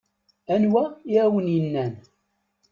Anwa i awen-innan?